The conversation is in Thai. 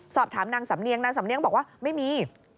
สอบถามนางสำเนียงนางสำเนียงบอกว่าไม่มี